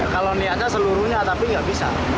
kalau niatnya seluruhnya tapi nggak bisa